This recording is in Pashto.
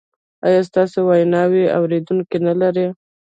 ایا ستاسو ویناوې اوریدونکي نلري؟